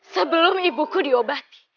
sebelum ibuku diobati